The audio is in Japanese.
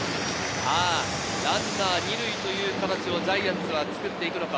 ランナー２塁という形をジャイアンツは作っていくのか。